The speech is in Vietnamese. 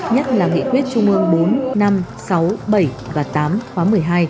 nhất là nghị quyết chung mương bốn năm sáu bảy và tám khóa một mươi hai